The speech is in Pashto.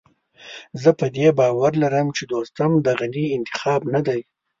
زه په دې باور لرم چې دوستم د غني انتخاب نه دی.